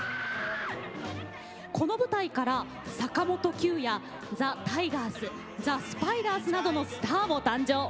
この舞台から坂本九やザ・タイガースザ・スパイダースなどのスターも誕生。